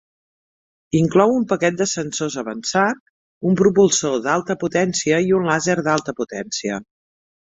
Inclou un paquet de sensors avançat, un propulsor d'alta potència i un làser d'alta potència.